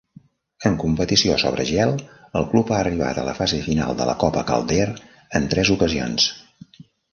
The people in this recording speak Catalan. En competició sobre gel, el club ha arribat a la fase final de la Copa Calder en tres ocasions.